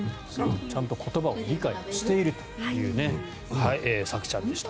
ちゃんと言葉を理解しているというさくちゃんでした。